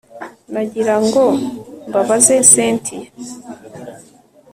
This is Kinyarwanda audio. nagiraga ngo mbabaze cyntia